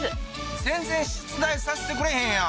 全然出題させてくれへんやん！